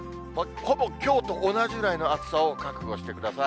ほぼきょうと同じぐらいの暑さを覚悟してください。